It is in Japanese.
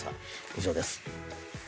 以上です。